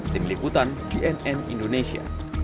dibilik hutan cnn indonesia